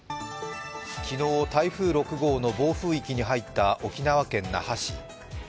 昨日、台風６号の暴風域に入った沖縄県那覇市。